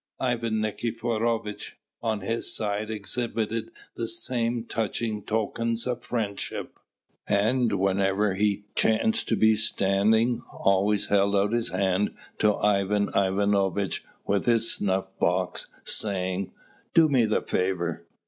Ivan Nikiforovitch, on his side, exhibited the same touching tokens of friendship; and whenever he chanced to be standing, always held out his hand to Ivan Ivanovitch with his snuff box, saying: "Do me the favour!"